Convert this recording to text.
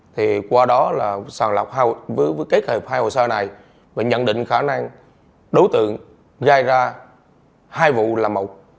thì qua đó là sàng lọc với kết hợp hai hồ sơ này và nhận định khả năng đấu tượng gai ra hai vụ là một